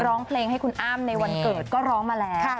ร้องเพลงให้คุณอ้ำในวันเกิดก็ร้องมาแล้ว